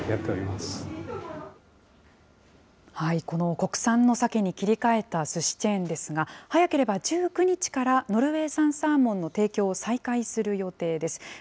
この国産のサケに切り替えたすしチェーンですが、早ければ１９日から、ノルウェー産サーモンの提供を再開する予定です。